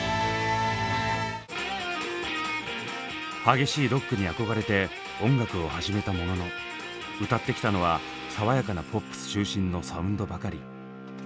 激しいロックに憧れて音楽を始めたものの歌ってきたのは爽やかなポップス中心のサウンドばかり。